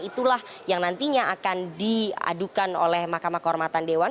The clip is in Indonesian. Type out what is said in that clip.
itulah yang nantinya akan diadukan oleh mahkamah kehormatan dewan